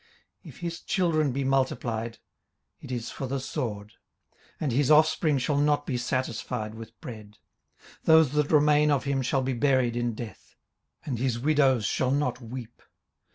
18:027:014 If his children be multiplied, it is for the sword: and his offspring shall not be satisfied with bread. 18:027:015 Those that remain of him shall be buried in death: and his widows shall not weep.